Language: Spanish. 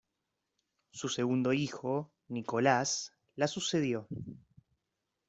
Su segundo hijo, Nicolás, la sucedió.